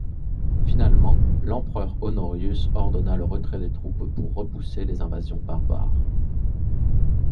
Finalement, l'empereur Honorius ordonna le retrait des troupes pour repousser les invasions barbares.